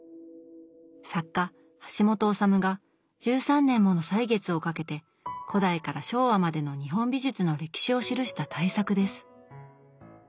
作家橋本治が１３年もの歳月をかけて古代から昭和までの日本美術の歴史を記した大作です。